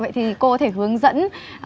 vậy thì cô có thể hướng dẫn